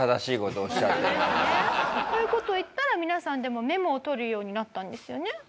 という事を言ったら皆さんでもメモを取るようになったんですよね。